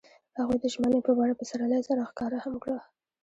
هغوی د ژمنې په بڼه پسرلی سره ښکاره هم کړه.